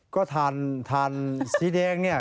ก็ทานสีแดงเนี่ย